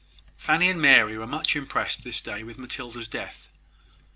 Fanny and Mary were much impressed this day with Matilda's death.